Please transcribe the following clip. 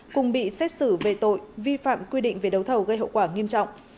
cùng bị xét xử về tội vi phạm quy định về đấu thầu gây hậu quả nghiêm trọng